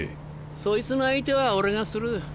そいつの相手は俺がする。